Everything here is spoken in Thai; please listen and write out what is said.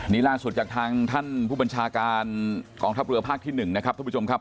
นี่ล่าสุดจากทางท่านผู้บัญชาการกองทัพเรือภาคที่๑นะครับท่านผู้ชมครับ